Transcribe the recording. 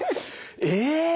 え。